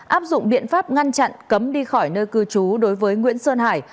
áp dụng biện pháp ngăn chặn cấm đi khỏi nơi cư trú đối với nguyễn sơn hải